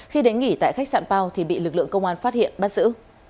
khi đến nghỉ tại khách sạn pao thì bị lực lượng công an phát hiện bắt giữ